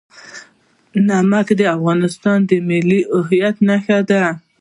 نمک د افغانستان د ملي هویت نښه ده.